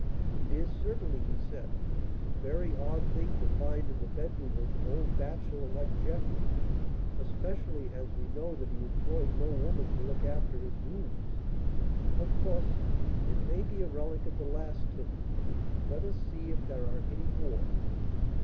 "It is certainly," he said, "a very odd thing to find in the bedroom of an old bachelor like Jeffrey, especially as we know that he employed no woman to look after his rooms. Of course, it may be a relic of the last tenant. Let us see if there are any more."